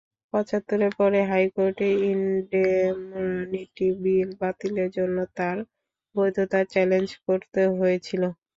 পঁচাত্তরের পরের হাইকোর্টে ইনডেমনিটি বিল বাতিলের জন্য তার বৈধতা চ্যালেঞ্জ করতে হয়েছিল।